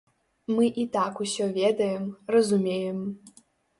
Мы і так усё ведаем, разумеем.